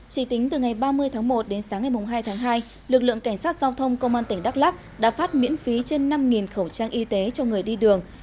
chỉ tính từ ngày ba mươi tháng một đến sáng ngày hai tháng hai lực lượng cảnh sát giao thông công an tỉnh đắk lắc đã phát miễn phí trên năm khẩu trang y tế cho người đi đường